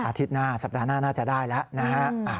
หน้าสัปดาห์หน้าน่าจะได้แล้วนะฮะ